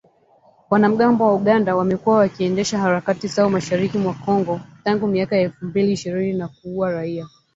Wanamgambo wa Uganda ambao wamekuwa wakiendesha harakati zao mashariki mwa Kongo, tangu miaka ya elfu mbili ishirini na kuua raia